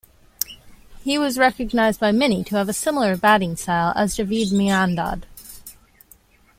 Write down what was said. He was recognized by many to have a similar batting style as Javed Miandad.